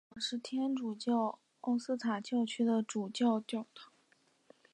这座教堂是天主教奥斯塔教区的主教座堂。